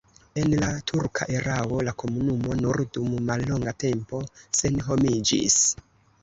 En la turka erao la komunumo nur dum mallonga tempo senhomiĝis.